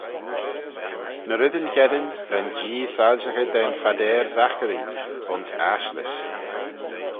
Ny reddyn cheddin ren Jee soilshaghey da'n Phadeyr Zachary ayns ashlish